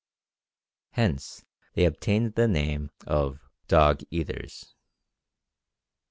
Hence they obtained the nickname of Dog eaters.